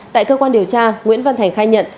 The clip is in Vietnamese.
tại cơ quan điều tra nguyễn văn thành khai nhận